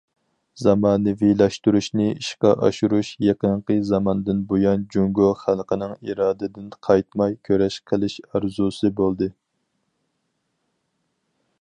زامانىۋىلاشتۇرۇشنى ئىشقا ئاشۇرۇش يېقىنقى زاماندىن بۇيان جۇڭگو خەلقىنىڭ ئىرادىدىن قايتماي كۈرەش قىلىش ئارزۇسى بولدى.